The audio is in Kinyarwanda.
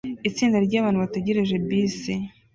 Itsinda ryabantu bategereje bisi